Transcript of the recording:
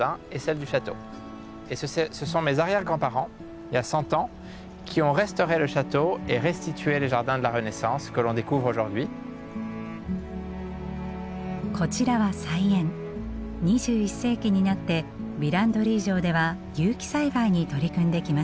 ２１世紀になってヴィランドリー城では有機栽培に取り組んできました。